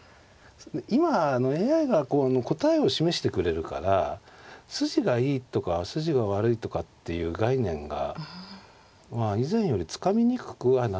今ＡＩが答えを示してくれるから筋がいいとか筋が悪いとかっていう概念がまあ以前よりつかみにくくはなってますよね。